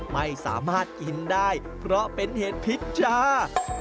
ไม่สามารถกินได้เพราะเป็นเห็ดพิษจ้า